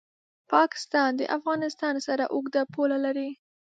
پاکستان د افغانستان سره اوږده پوله لري.